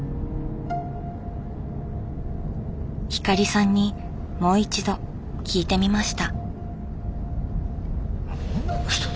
光さんにもう一度聞いてみました。